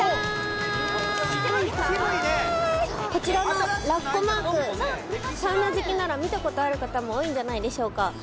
こちらのラッコマークサウナ好きなら見たことある方も多いんじゃないでしょうか